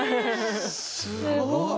すごいな。